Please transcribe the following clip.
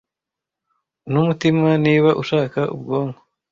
numutima niba ushaka ubwonko